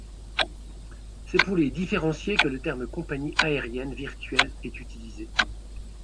C'est pour les différencier que le terme Compagnie aérienne virtuelle est utilisé.